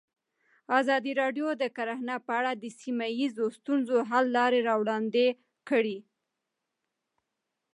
ازادي راډیو د کرهنه په اړه د سیمه ییزو ستونزو حل لارې راوړاندې کړې.